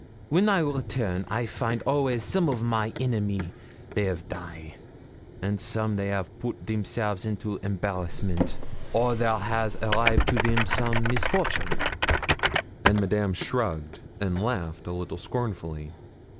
Wen I return, I find always some of my enemy they 'av die, and some they have put themselves into embarrassment, or there has arrived to them some misfortune;' and Madame shrugged and laughed a little scornfully.